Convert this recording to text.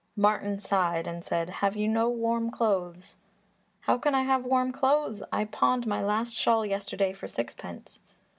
Martin sighed and said, "Have you no warm clothes?" "How can I have warm clothes! I pawned my last shawl yesterday for sixpence!"